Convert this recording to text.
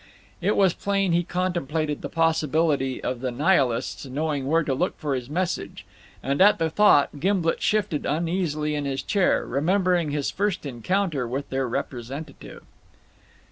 It was plain he contemplated the possibility of the Nihilists knowing where to look for his message; and at the thought Gimblet shifted uneasily in his chair, remembering his first encounter with their representative.